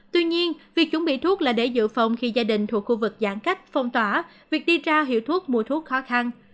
tuy nhiên việc chuẩn bị thuốc là để dự phòng khi gia đình thuộc khu vực giãn cách phong tỏa việc đi ra hiệu thuốc mua thuốc khó khăn